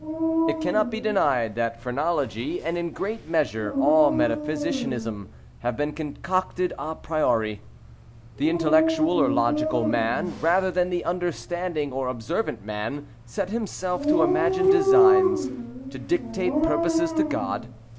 It cannot be denied that phrenology and, in great measure, all metaphysicianism have been concocted a priori. The intellectual or logical man, rather than the understanding or observant man, set himself to imagine designs—to dictate purposes to God.